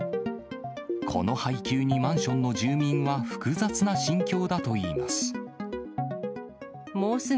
この配給にマンションの住民は複雑な心境だといいます。